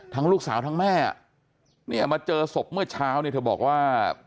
ลูกสาวทั้งแม่เนี่ยมาเจอศพเมื่อเช้าเนี่ยเธอบอกว่า